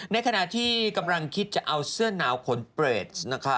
ในขณะที่กำลังคิดจะเอาเสื้อหนาวขนเปรสนะคะ